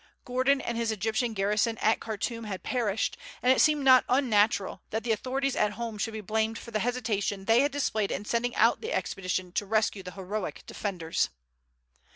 Gordon and his Egyptian garrison at Khartoum had perished, and it seemed not unnatural that the authorities at home should be blamed for the hesitation they had displayed in sending out the expedition to rescue the heroic defenders.